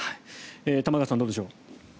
玉川さんどうでしょう。